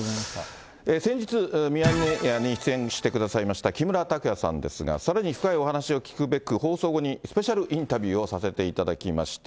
先日、ミヤネ屋に出演してくださいました木村拓哉さんですが、さらに深いお話を聞くべく、放送後に、スペシャルインタビューをさせていただきました。